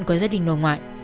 của gia đình nội ngoại